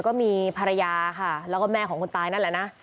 ก็มีภรรยาค่ะแล้วก็แม่ของคนตายนั่นแหละนะ